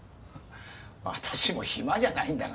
私も暇じゃないんだがね。